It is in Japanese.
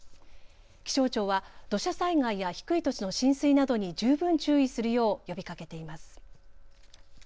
気象庁は土砂災害や低い土地の浸水などに十分注意するよう呼びかけています。